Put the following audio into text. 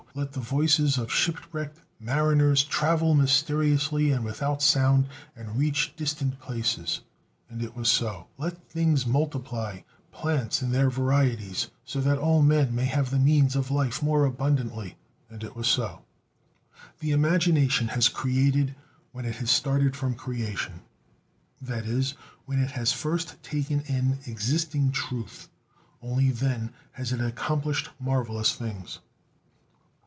"Let the voices of shipwrecked mariners travel mysteriously and without sound, and reach distant places" and it was so. "Let things multiply, plants in their varieties, so that all men may have the means of life more abundantly" and it was so. The imagination has created when it has started from creation: that is, when it has first taken in existing truth. Only then has it accomplished marvelous things.